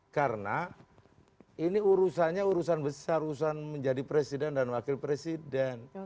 karena ini urusannya urusan besar urusan menjadi presiden dan wakil presiden